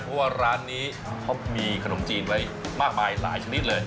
เพราะว่าร้านนี้เขามีขนมจีนไว้มากมายหลายชนิดเลย